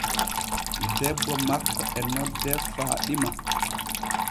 Debbo makko e noddee faaɗima.